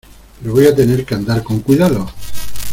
pero voy a tener que andar con cuidado.